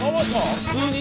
普通に？